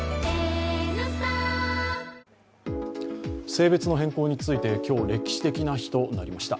性別の変更について今日、歴史的な日となりました。